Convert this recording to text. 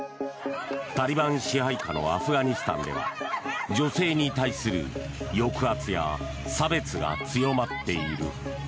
タリバン支配下のアフガニスタンでは女性に対する抑圧や差別が強まっている。